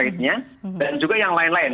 dan juga yang lain lain